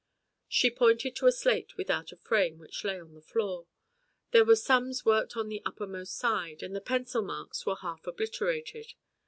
She pointed to a slate without a frame which lay on the floor. There were sums worked on the uppermost side, and the pencil marks were half obliterated.